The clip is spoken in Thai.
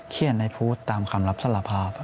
เขียนในโพสต์ตามคำรับสารภาพ